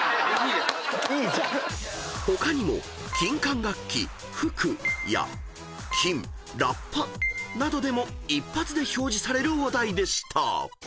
［他にも「金管楽器吹く」や「金ラッパ」などでも一発で表示されるお題でした］